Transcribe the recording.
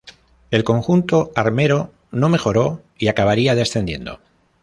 El conjunto armero no mejoró y acabaría descendiendo.